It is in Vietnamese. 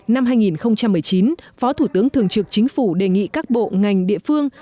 năm hai nghìn một mươi chín phó thủ tướng thường trực chính phủ đề nghị các bộ ngành địa phương